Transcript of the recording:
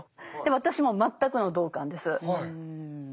私も全くの同感です。